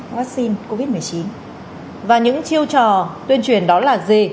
và những chiêu trò tuyên truyền đó là gì